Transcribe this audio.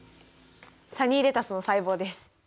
サニーレタスの細胞です。